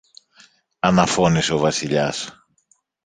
αναφώνησε ο Βασιλιάς.